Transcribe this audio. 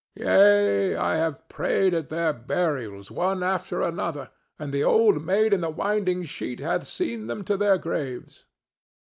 Yea, I have prayed at their burials, one after another, and the Old Maid in the Winding Sheet hath seen them to their graves."